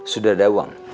sudah ada uang